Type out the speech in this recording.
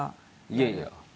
いやいや。